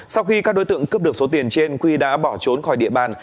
sau khi các đối tượng cướp được số tiền trên quy đã bỏ trốn khỏi địa bàn